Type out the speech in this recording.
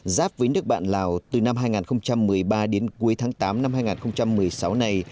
giáp với nước bạn lào từ năm hai nghìn một mươi ba đến cuối tháng tám năm hai nghìn một mươi sáu này